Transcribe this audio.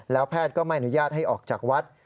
แพทย์ก็ไม่อนุญาตให้ออกจากวัด